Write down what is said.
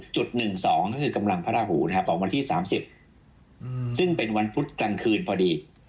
จุด๑๒ก็คือกำลังพระราหูของวันที่๓๐ซึ่งเป็นวันพุธกลางคืนพอดี